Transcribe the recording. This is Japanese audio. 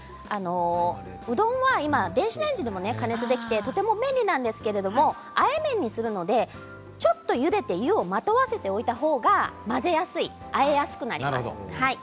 うどんは電子レンジでも加熱できてとても便利なんですがあえ麺にするのでちょっとゆでてお湯をまとわせていただいたほうがあえやすい、混ぜやすくなります。